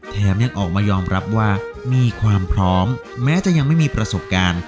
แถมยังออกมายอมรับว่ามีความพร้อมแม้จะยังไม่มีประสบการณ์